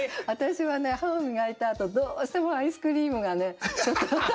私はね歯を磨いたあとどうしてもアイスクリームがね。